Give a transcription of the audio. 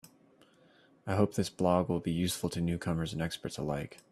I hope this blog will be useful to newcomers and experts alike.